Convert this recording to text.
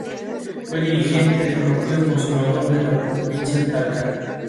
Fue dirigente del partido conservador por la provincia de Talca.